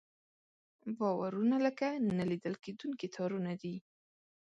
باورونه لکه نه لیدل کېدونکي تارونه دي.